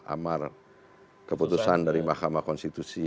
amar keputusan dari mahkamah konstitusi